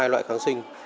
hai loại kháng sinh